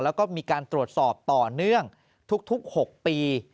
แล้วก็มีการตรวจสอบต่อเนื่องทุก๖ปี